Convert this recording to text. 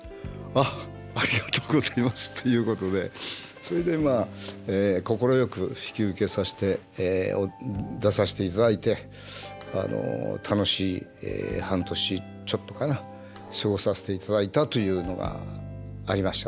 「あっありがとうございます」ということでそれでまあ快く引き受けさせて出させていただいてあの楽しい半年ちょっとかな過ごさせていただいたというのがありましたね。